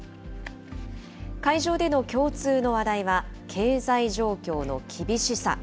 会場での共通の話題は、経済状況の厳しさ。